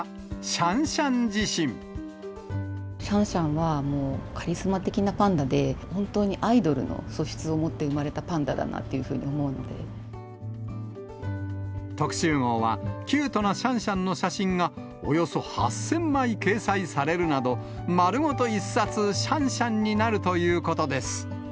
シャンシャンは、カリスマ的なパンダで、本当にアイドルの素質を持って生まれたパンダだなっていうふうに特集号は、キュートなシャンシャンの写真がおよそ８０００枚掲載されるなど、丸ごと一冊シャンシャンになるということです。